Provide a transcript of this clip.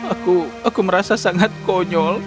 aku aku merasa sangat konyol